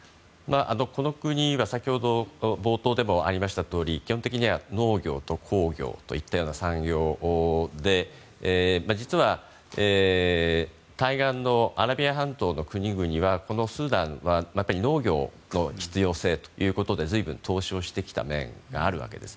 この国は先ほど冒頭でもありましたとおり基本的には農業と鉱業というような産業で実は、対岸のアラビア半島の国々はスーダンは農業の必要性ということで随分、投資をしてきた面があるわけです。